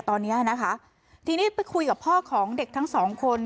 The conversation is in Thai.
ตอนนี้นะคะทีนี้ไปคุยกับพ่อของเด็กทั้งสองคน